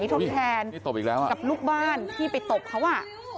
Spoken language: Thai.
ทนแทนกับลูกบ้านที่ไปตกเขา